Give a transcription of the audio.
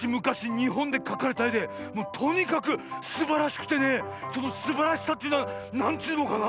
にほんでかかれたえでとにかくすばらしくてねそのすばらしさっていうのはなんちゅうのかな